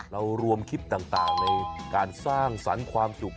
รวมคลิปต่างในการสร้างสรรค์ความสุข